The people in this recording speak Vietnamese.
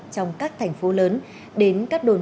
trong các thành phố lớn đến các đồn